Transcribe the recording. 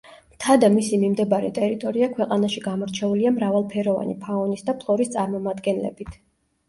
მთა და მისი მიმდებარე ტერიტორია ქვეყანაში გამორჩეულია მრავალფეროვანი ფაუნის და ფლორის წარმომადგენლებით.